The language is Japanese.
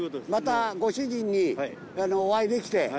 またご主人にお会いできて。